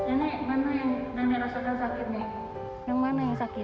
ini maneh dan merasa sakit nih yang mana yang sakit